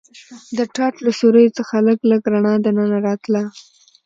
د ټاټ له سوریو څخه لږ لږ رڼا دننه راتله.